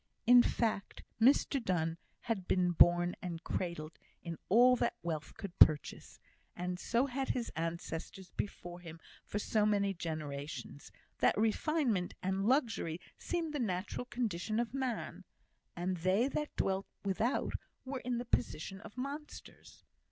In fact, Mr Donne had been born and cradled in all that wealth could purchase, and so had his ancestors before him for so many generations, that refinement and luxury seemed the natural condition of man, and they that dwelt without were in the position of monsters.